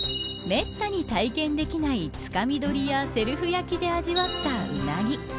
めったに体験できないつかみ取りやセルフ焼きで味わったウナギ。